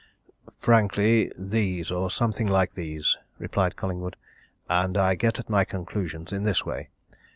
"Frankly these, or something like these," replied Collingwood. "And I get at my conclusions in this way.